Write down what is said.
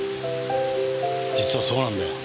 実はそうなんだよ。